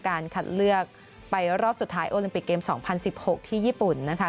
การคัดเลือกไปรอบสุดท้ายโอลิมปิกเกม๒๐๑๖ที่ญี่ปุ่นนะคะ